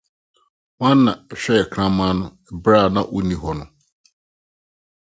Hena na ɔhwɛɛ ɔkraman no bere a na wunni hɔ no?